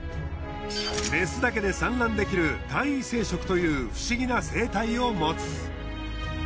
メスだけで産卵できる単為生殖という不思議な生態を持つ。